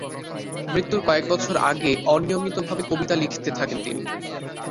মৃত্যুর কয়েক বছর আগে অনিয়মিতভাবে কবিতা লিখতে থাকেন তিনি।